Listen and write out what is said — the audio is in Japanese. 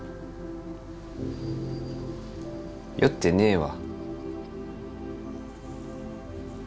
酔ってねえわ。